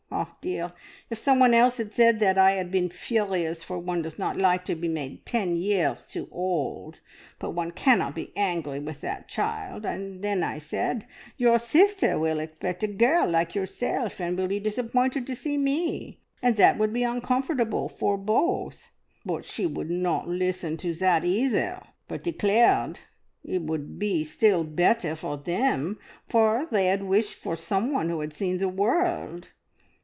Ah, dear! If someone else had said that, I had been furious, for one does not like to be made ten years too old, but one cannot be angry with that child. Then I said, `Your sister will expect a girl like yourself, and will be disappointed to see me, and that would be uncomfortable for both.' But she would not listen to that either, but declared it would be still better for them, for they had wished for someone who had seen the world.